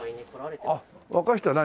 若い人は何？